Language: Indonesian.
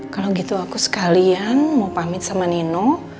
kalau gitu aku sekalian mau pamit sama nino